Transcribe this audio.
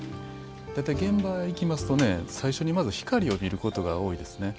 現場へ行きますと最初にまず光を見ることが多いですね。